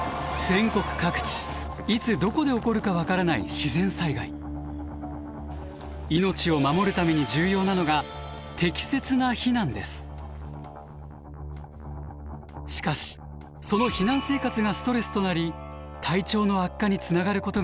全国各地いつどこで起こるか分からない命を守るために重要なのがしかしその避難生活がストレスとなり体調の悪化につながることがあります。